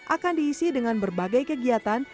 akan diisi dengan berbagai kegiatan